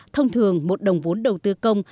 thông thường một đồng vốn đầu tư công